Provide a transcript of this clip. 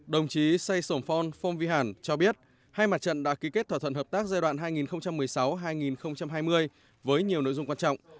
đồng chí say sổn phon phong phong vi hàn cho biết hai mặt trận đã ký kết thỏa thuận hợp tác giai đoạn hai nghìn một mươi sáu hai nghìn hai mươi với nhiều nội dung quan trọng